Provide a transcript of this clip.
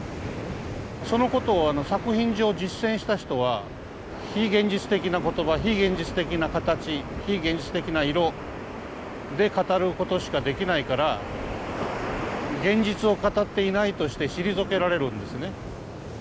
そのことを作品上実践した人は非現実的な言葉非現実的な形非現実的な色で語ることしかできないから現実を語っていないとして退けられるんですね。